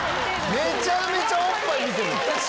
めちゃめちゃオッパイ見てる。